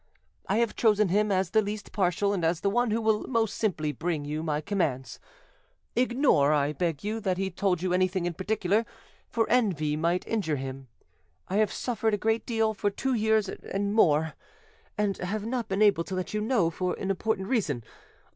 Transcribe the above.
I have chosen him as the least partial and as the one who will most simply bring you my commands. Ignore, I beg you, that he told you anything in particular; for envy might injure him. I have suffered a great deal for two years and more, and have not been able to let you know, for an important reason.